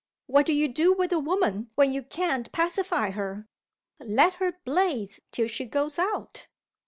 What do you do with a woman when you can't pacify her? Let her blaze till she goes out."